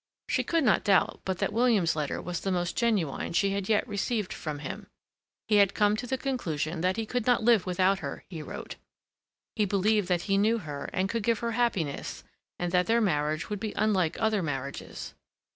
She could not doubt but that William's letter was the most genuine she had yet received from him. He had come to the conclusion that he could not live without her, he wrote. He believed that he knew her, and could give her happiness, and that their marriage would be unlike other marriages.